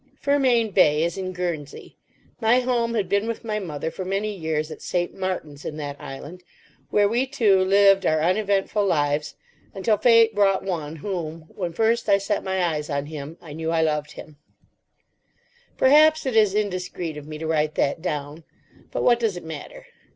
Fermain Bay is in Guernsey. My home had been with my mother for many years at St. Martin's in that island. There we two lived our uneventful lives until fate brought one whom, when first I set my eyes on him, I knew I loved. Perhaps it is indiscreet of me to write that down. But what does it matter?